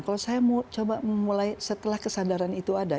kalau saya mau coba memulai setelah kesadaran itu ada